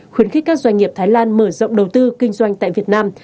khuyến khích các doanh nghiệp thái lan mở rộng đầu tư kinh doanh tại việt nam